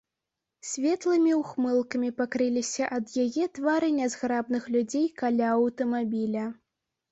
Светлымі ўхмылкамі пакрыліся ад яе твары нязграбных людзей каля аўтамабіля.